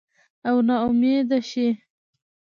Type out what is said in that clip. او نا امیده شي